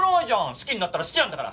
好きになったら好きなんだから！